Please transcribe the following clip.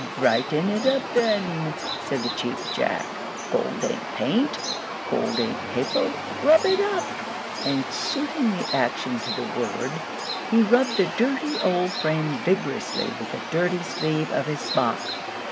"Brighten it up, then," said the Cheap Jack. "Gold ain't paint; gold ain't paper; rub it up!" and, suiting the action to the word, he rubbed the dirty old frame vigorously with the dirty sleeve of his smock.